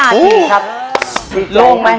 อันที่อันที่แยกก็มาก